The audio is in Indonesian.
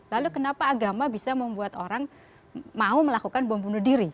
lalu kenapa agama bisa membuat orang mau melakukan bom bunuh diri